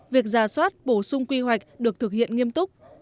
việc giả soát bổ sung quy hoạch được thực hiện nghiêm túc